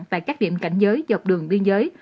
và các điểm cảnh giới dọc đường biên giới